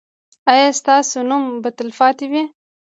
ایا ستاسو نوم به تلپاتې وي؟